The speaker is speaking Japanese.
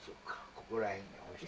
ここら辺に干して。